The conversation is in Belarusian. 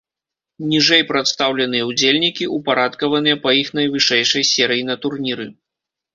Ніжэй прадстаўленыя ўдзельнікі, упарадкаваныя па іх найвышэйшай серыі на турніры.